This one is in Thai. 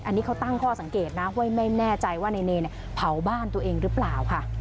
อันนี้เขาตั้งข้อสังเกตนะว่าไม่แน่ใจว่านายเนรเผาบ้านตัวเองหรือเปล่าค่ะ